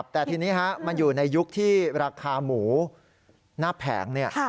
แต่ทีนี้มันอยู่ในยุคที่ราคาหมูหน้าแผง